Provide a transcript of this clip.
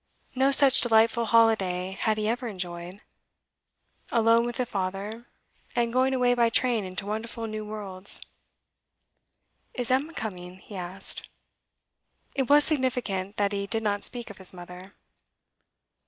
No such delightful holiday had he ever enjoyed. Alone with father, and going away by train into wonderful new worlds. 'Is Emma coming?' he asked. It was significant that he did not speak of his mother.